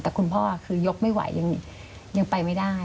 แต่คุณพ่อคือยกไม่ไหวยังไปไม่ได้